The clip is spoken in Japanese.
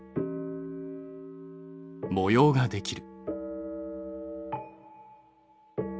模様ができる。